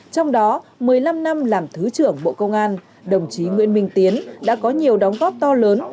trong đó một mươi năm năm làm thứ trưởng bộ công an đồng chí nguyễn minh tiến đã có nhiều đóng góp to lớn